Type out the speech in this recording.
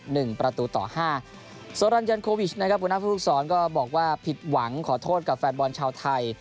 หนึ่งประตูต่อห้าโซรันยันโควิชนะครับหัวหน้าภูมิสอนก็บอกว่าผิดหวังขอโทษกับแฟนบอลชาวไทย